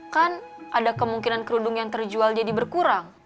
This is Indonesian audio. kan ada kemungkinan kerudung yang terjual jadi berkurang